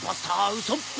ウソップ！